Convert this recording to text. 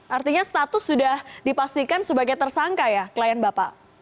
artinya status sudah dipastikan sebagai tersangka ya klien bapak